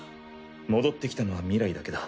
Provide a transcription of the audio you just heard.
戻ってきたのはミライだけだ。